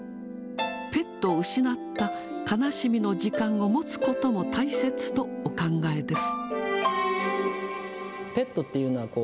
ペットを失った悲しみの時間を持つことも大切とお考えです。